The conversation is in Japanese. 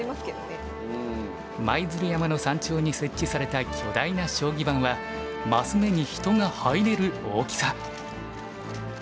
舞鶴山の山頂に設置された巨大な将棋盤は升目に人が入れる大きさ。